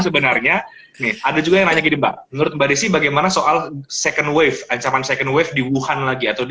sebenarnya ini ada juga nasi bak menurut emir nessim mengenai soal second wave second wave di wuhan atau